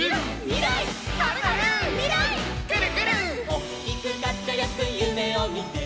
「おっきくかっちょよくゆめをみて」